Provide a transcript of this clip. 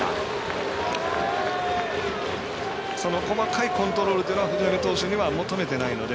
細かいコントロールというのは藤浪投手には求めてないので。